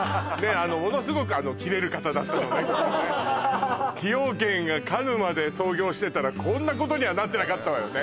あのものすごくあの切れる方だったのねきっとね崎陽軒が鹿沼で創業してたらこんなことにはなってなかったわよね